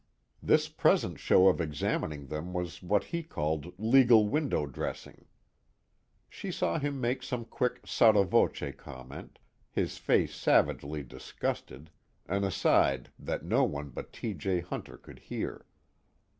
This present show of examining them was what he called legal window dressing. She saw him make some quick sotto voce comment, his face savagely disgusted, an aside that no one but T. J. Hunter could hear.